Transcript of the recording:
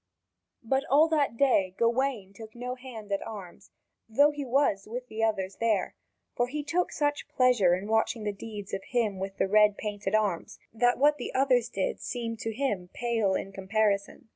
But all that day Gawain took no hand at arms, though he was with the others there, for he took such pleasure in watching the deeds of him with the red painted arms that what the others did seemed to him pale in comparison.